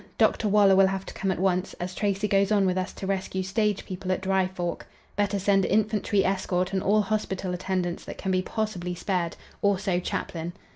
Dr. Waller will have to come at once, as Tracy goes on with us to rescue stage people at Dry Fork. Better send infantry escort and all hospital attendants that can be possibly spared; also chaplain.